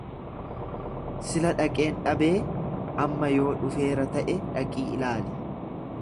Sila dhaqeen dhabee, amma yoo dhufeera ta'e dhaqii ilaali.